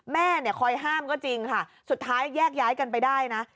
แม่เนี่ยคอยห้ามก็จริงค่ะสุดท้ายแยกย้ายกันไปได้นะ